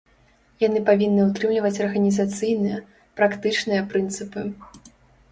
Яны павінны ўтрымліваць арганізацыйныя, практычныя прынцыпы.